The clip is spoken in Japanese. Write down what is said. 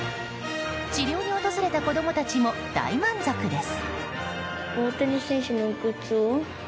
治療に訪れた子供たちも大満足です。